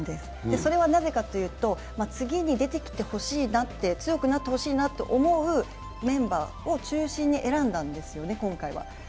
それはなぜかというと、次に出てきてほしいな、強くなってほしいなと思うメンバーを中心に今回は選んだんですね。